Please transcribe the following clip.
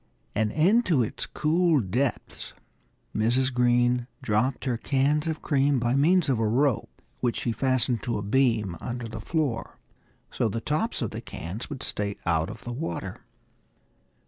And into its cool depths Mrs. Green dropped her cans of cream by means of a rope, which she fastened to a beam under the floor, so the tops of the cans would stay out of the water.